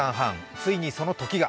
ついにその時が。